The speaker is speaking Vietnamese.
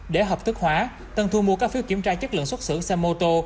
để hợp thức hóa tân thu mua các phiếu kiểm tra chất lượng xuất xử xe mô tô